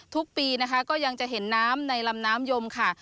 ทุกปีนะคะก็ยังจะเห็นน้ำในลำน้ำยมค่ะ